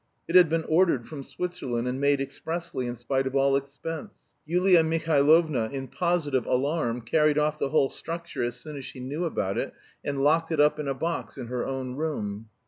It had been ordered from Switzerland, and made expressly in spite of all expense. Yulia Mihailovna, in positive alarm, carried off the whole structure as soon as she knew about it, and locked it up in a box in her own room.